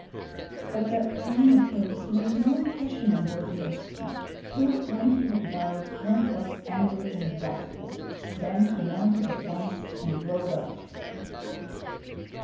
But that pain of hers made no impression on Volodyovski, who, when he had bowed, went out angry and wrathful; then he mounted at once and rode off.